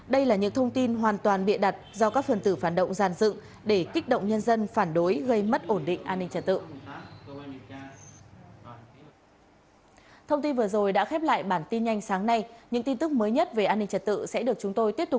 đây là những thông tin hoàn toàn bịa đặt do các phần tử phản động giàn dựng để kích động nhân dân phản đối gây mất ổn định an ninh trật tự